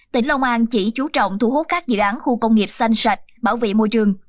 tỉnh long an chỉ chú trọng thu hút các dự án khu công nghiệp xanh sạch bảo vệ môi trường